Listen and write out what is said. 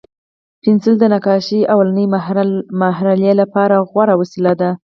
پنسل د نقاشۍ لومړني مرحلې لپاره غوره وسیله ده.